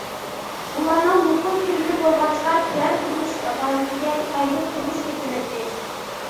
ئۇلارنىڭ مۇقىم كىرىمى بولمىغاچقا، تۆۋەن تۇرمۇش كاپالىتىگە تايىنىپ تۇرمۇش كەچۈرەتتى.